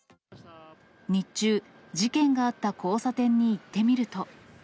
日中、事件があった交差点に行ってみると。